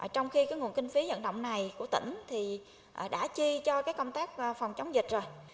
trong khi nguồn kinh phí nhận động này của tỉnh thì đã chi cho cái công tác phòng chống dịch rồi